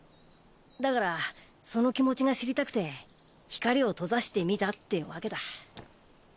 だからその気持ちが知りたくて光を閉ざしてみたってわけだ。